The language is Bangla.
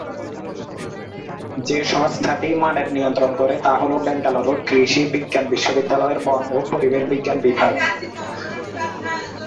যে সংস্থাটি মানের মানের নিয়ন্ত্রণ করে তা হল ব্যাঙ্গালোরের কৃষি বিজ্ঞান বিশ্ববিদ্যালয়ের বন ও পরিবেশ বিজ্ঞান বিভাগ।